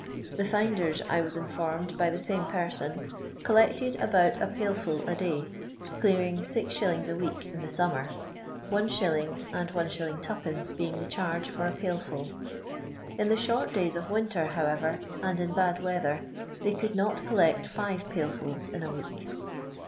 The finders, I was informed by the same person, collected about a pail full a day, clear ing 6«. a week in the summer — 1^. and Is. 2d. being the charge for a pail full ; in tlie short days of winter, however, and in bad weather, they could not collect five pail fulls in a week.